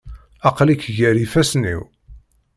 Aql-ik gar yifassen-iw.